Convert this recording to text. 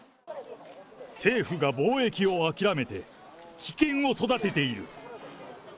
政府が防疫を諦めて、危険を育てている！